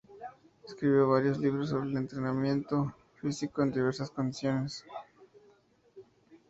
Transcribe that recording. Escribió varios libros sobre el entrenamiento físico en diversas condiciones.